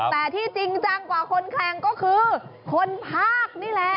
แต่ที่จริงจังกว่าคนแข่งก็คือคนภาคนี่แหละ